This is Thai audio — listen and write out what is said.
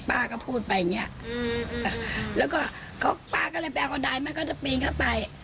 ป้าก็พูดไปอย่างเนี่ยแล้วก็ป้าก็เลยแบกว่าใดมันก็จะปีนเข้าไป